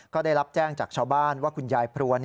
ก็ได้รับแจ้งจากชาวบ้านว่าคุณยายพรัว